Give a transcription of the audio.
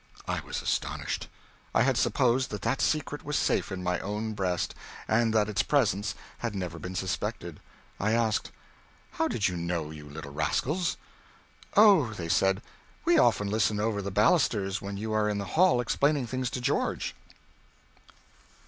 I was astonished. I had supposed that that secret was safe in my own breast, and that its presence had never been suspected. I asked, "How did you know, you little rascals?" "Oh," they said, "we often listen over the balusters when you are in the hall explaining things to George."